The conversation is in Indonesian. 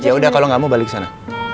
ya udah kalau gak mau balik sana